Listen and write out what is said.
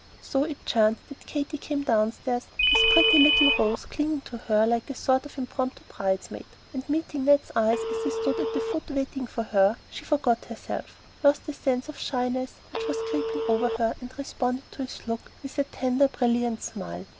So it chanced that Katy came downstairs with pretty little Rose clinging to her like a sort of impromptu bridesmaid; and meeting Ned's eyes as he stood at the foot waiting for her, she forgot herself, lost the little sense of shyness which was creeping over her, and responded to his look with a tender, brilliant smile.